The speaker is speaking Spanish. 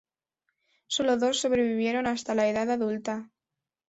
Sólo dos sobrevivieron hasta la edad adulta.